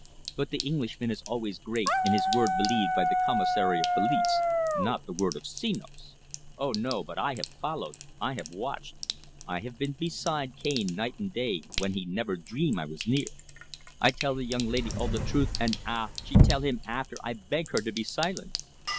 But the Englishman is always great, and his word believed by the commissary of police not the word of Senos. Oh, no! but I have followed; I have watched. I have been beside Cane night and day when he never dream I was near. I tell the young lady all the truth, and ah! she tell him after I beg her to be silent."